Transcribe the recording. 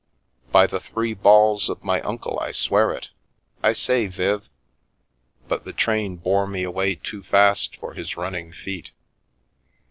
" By the three balls of my uncle I swear it I say, Viv " but the train bore me away too fast for his running feet.